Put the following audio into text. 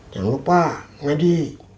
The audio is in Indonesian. jangan lupa ngadi